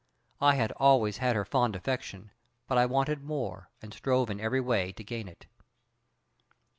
I had always had her fond affection, but I wanted more and strove in every way to gain it.